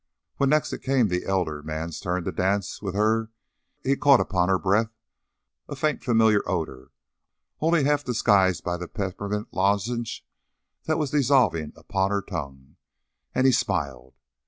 When next it came the elder man's turn to dance with her, he caught upon her breath a faint familiar odor, only half disguised by the peppermint lozenge that was dissolving upon her tongue, and he smiled.